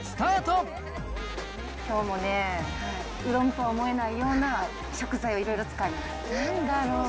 きょうもね、うどんとは思えないような食材をいろいろ使います。